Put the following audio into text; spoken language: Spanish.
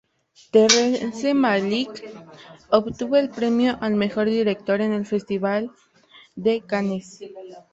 Terrence Malick obtuvo el premio al mejor director en el "Festival de Cannes".